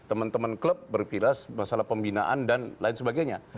teman teman klub berpilas masalah pembinaan dan lain sebagainya